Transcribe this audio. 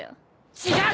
違う！